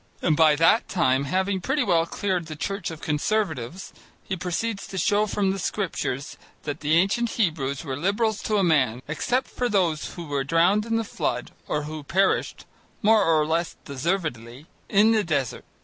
And by that time, having pretty well cleared the church of Conservatives, he proceeds to show from the scriptures that the ancient Hebrews were Liberals to a man, except those who were drowned in the flood or who perished, more or less deservedly, in the desert.